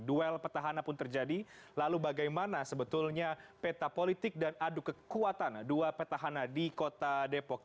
duel petahana pun terjadi lalu bagaimana sebetulnya peta politik dan adu kekuatan dua petahana di kota depok